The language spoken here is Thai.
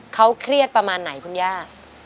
เขาเครียดประมาณไหนคุณย่า